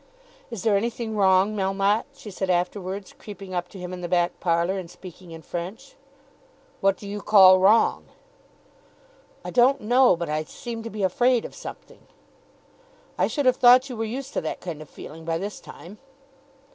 "Is there anything wrong, Melmotte?" she said afterwards, creeping up to him in the back parlour, and speaking in French. "What do you call wrong?" "I don't know; but I seem to be afraid of something." "I should have thought you were used to that kind of feeling by this time."